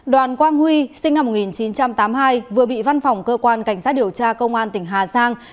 đoàn quang huy sinh năm một nghìn chín trăm tám mươi hai vừa bị văn phòng cơ quan cảnh sát điều tra công an tỉnh hà giang